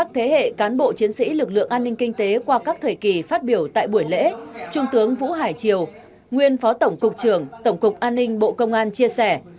theo các thời kỳ phát biểu tại buổi lễ trung tướng vũ hải triều nguyên phó tổng cục trưởng tổng cục an ninh bộ công an chia sẻ